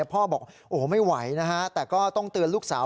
พ่อบอกโอ้ไม่ไหวนะฮะแต่ก็ต้องเตือนลูกสาว